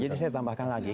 jadi saya tambahkan lagi